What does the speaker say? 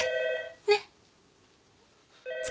ねっ？